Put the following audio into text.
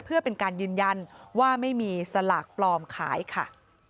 เพื่อเป็นการยืนยันว่าไม่มีสลากปลอมขายค่ะ